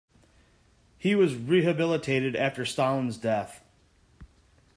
He was rehabilitated after Stalin's death.